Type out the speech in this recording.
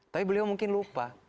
tapi beliau mungkin lupa